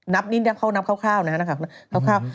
นับนิดนึงนับคร่าวนะครับ